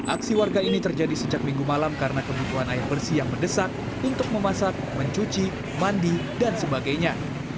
aksi warga ini terjadi sejak minggu malam karena kebutuhan air bersih yang mendesak untuk memasak mencuci mandi dan sebagainya